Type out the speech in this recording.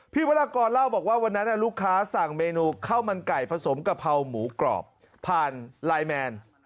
วรากรเล่าบอกว่าวันนั้นลูกค้าสั่งเมนูข้าวมันไก่ผสมกะเพราหมูกรอบผ่านไลน์แมน